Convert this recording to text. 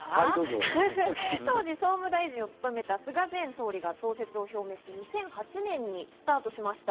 当時、総務大臣を務めた菅前首相が創設を表明して２００８年にスタートしました。